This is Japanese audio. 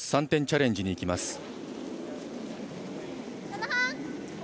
３点チャレンジに行きます。